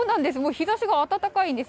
日ざしが暖かいんです。